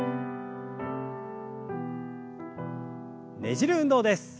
ねじる運動です。